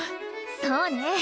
そうね！